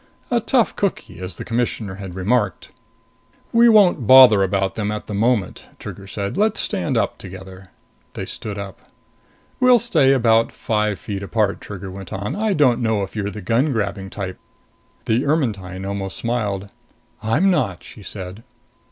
A tough cookie, as the Commissioner had remarked. "We won't bother about them at the moment," Trigger said. "Let's stand up together." They stood up. "We'll stay about five feet apart," Trigger went on. "I don't know if you're the gun grabbing type." The Ermetyne almost smiled. "I'm not!" she said.